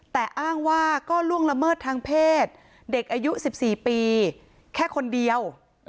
แต่อ้างว่าก็ล่วงละเมิดทางเพศเด็กอายุ๑๔ปีแค่คนเดียว